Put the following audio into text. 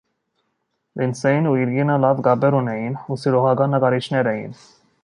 Լինդսեյն ու իր կինը լավ կապեր ունեին ու սիրողական նկարիչներ էին։